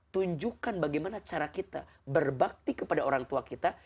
tunjukkan bagaimana cara kita berbakti kepada orang tua kita